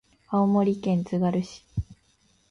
青森県つがる市